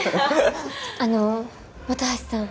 あの本橋さん